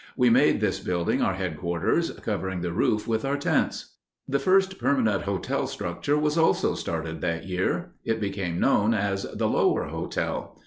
We made this building our headquarters, covering the roof with our tents." The first permanent hotel structure was also started that year. It became known as the "Lower Hotel."